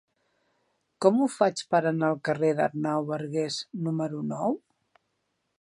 Com ho faig per anar al carrer d'Arnau Bargués número nou?